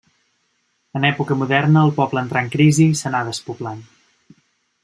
En època moderna el poble entrà en crisi i s'anà despoblant.